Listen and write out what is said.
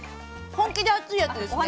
本気で熱いやつですね。